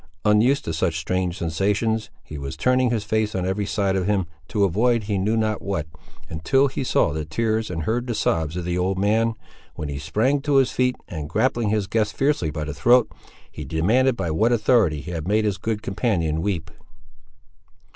Unused to such strange sensations, he was turning his face on every side of him, to avoid he knew not what, until he saw the tears and heard the sobs of the old man, when he sprang to his feet, and grappling his guest fiercely by the throat, he demanded by what authority he had made his aged companion weep.